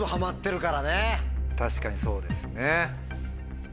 確かにそうですね。